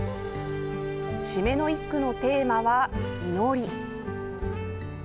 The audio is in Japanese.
締めの一句のテーマは「祈り」。